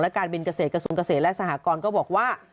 และการบินเกษตรกระสุนเกษตรและสหกรณ์ก็บอกว่า